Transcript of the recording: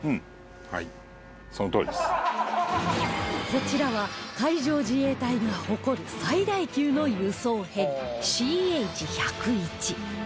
こちらは海上自衛隊が誇る最大級の輸送ヘリ ＣＨ−１０１